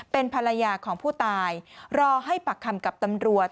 เป็นภรรยาของผู้ตายรอให้ปากคำกับตำรวจ